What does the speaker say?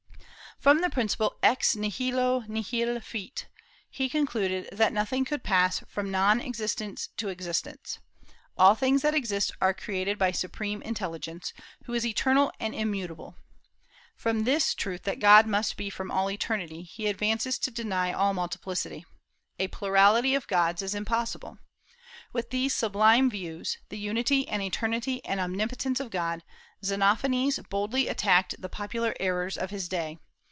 From the principle ex nihilo nihil fit he concluded that nothing could pass from non existence to existence. All things that exist are created by supreme Intelligence, who is eternal and immutable. From this truth that God must be from all eternity, he advances to deny all multiplicity. A plurality of gods is impossible. With these sublime views, the unity and eternity and omnipotence of God, Xenophanes boldly attacked the popular errors of his day.